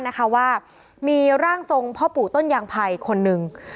นะคะว่ามีร่างทรงพ่อปู่ต้นยางภัยคนหนึ่ง